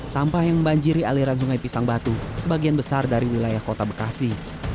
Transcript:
sampah yang membanjiri aliran sungai pisang batu sebagian besar dari wilayah kota bekasi